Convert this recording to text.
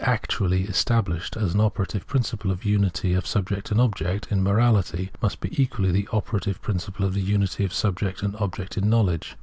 actually, established as an operative principle of unity of subject and object in morality, must be equally the operative principle of unity of subject and object in Knowledge.